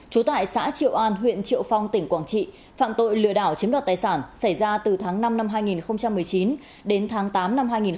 trú tại xã triệu an huyện triệu phong tỉnh quảng trị phạm tội lừa đảo chiếm đoạt tài sản xảy ra từ tháng năm năm hai nghìn một mươi chín đến tháng tám năm hai nghìn hai mươi